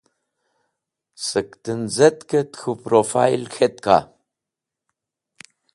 Sẽk tẽmz̃etkẽt k̃hũ profayl k̃hetka?